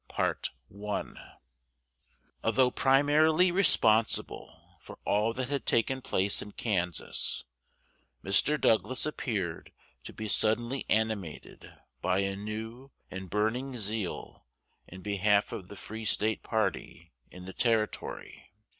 CHAPTER XVI ALTHOUGH primarily responsible for all that had taken place in Kansas, Mr. Douglas appeared to be suddenly animated by a new and burning zeal in behalf of the Free State party in the Territory.